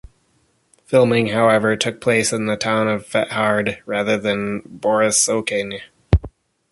Filming, however, took place in the town of Fethard rather than Borrisokane.